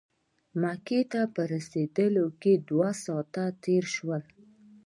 مکې ته په رسېدو کې دوه ساعته تېر شول.